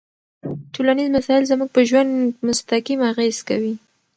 ټولنيز مسایل زموږ په ژوند مستقیم اغېز کوي.